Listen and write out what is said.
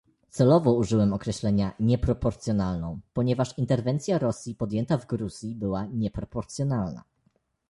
Celowo użyłem określenia "nieproporcjonalną", ponieważ interwencja Rosji podjęta w Gruzji była nieproporcjonalna